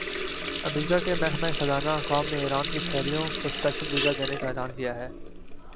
امریکا کے محکمہ خزانہ حکام نے ایران کے شہریوں کو سپیشل ویزا دینے کا اعلان کیا ہے